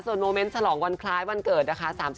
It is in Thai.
โมเมนต์ฉลองวันคล้ายวันเกิดนะคะ